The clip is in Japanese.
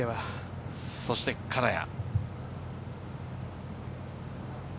そして金谷。